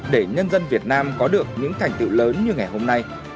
để nhân dân việt nam có được những thành tựu lớn như ngày hôm nay